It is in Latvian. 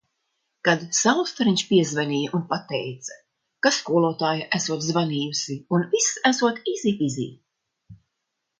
Kad Saulstariņš piezvanīja un pateica, ka skolotāja esot zvanījusi un viss esot "īzī pīzī".